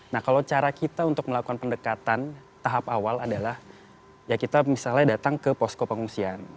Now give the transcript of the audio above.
nah kalau cara kita untuk melakukan pendekatan tahap awal adalah ya kita misalnya datang ke posko pengungsian